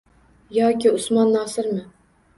Yoki Usmon Nosirmi?!.